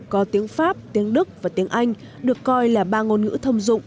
có tiếng pháp tiếng đức và tiếng anh được coi là ba ngôn ngữ thông dụng